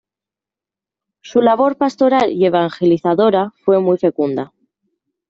Su labor pastoral y evangelizadora fue muy fecunda.